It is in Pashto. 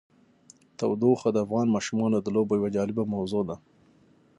تودوخه د افغان ماشومانو د لوبو یوه جالبه موضوع ده.